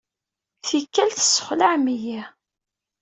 Tikkal, tessexlaɛem-iyi.